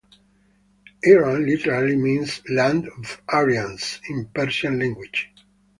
Iran literally means "Land of Aryans" in Persian language.